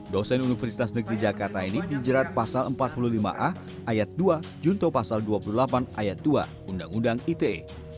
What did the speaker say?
dosen universitas negeri jakarta ini dijerat pasal empat puluh lima a ayat dua junto pasal dua puluh delapan ayat dua undang undang ite